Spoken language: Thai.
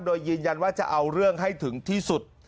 โดยยืนยันว่าจะเอาเรื่องให้ถึงที่สุด